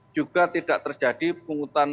juga tidak terjadi pungutan